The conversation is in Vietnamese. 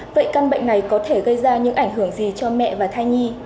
vậy căn bệnh này có thể gây ra những ảnh hưởng gì cho mẹ và thai nhi